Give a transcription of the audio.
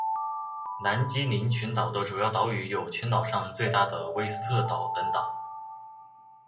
南基林群岛的主要岛屿有群岛上最大的威斯特岛等岛。